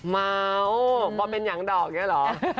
เม้าวพอเป็นอย่างดอกเนี่ยหรอ